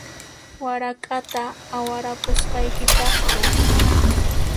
Warak'ata awarapusqaykitaqchu?